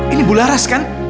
ini bularas kan